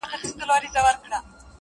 • ځيني يې هنر بولي ډېر لوړ,